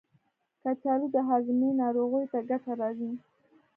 کچالو د هاضمې ناروغیو ته ګټه لري.